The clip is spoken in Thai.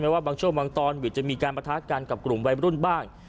ว่าบางช่วงบางตอนวิทย์จะมีการประทะกันกับกลุ่มวัยรุ่นบ้าง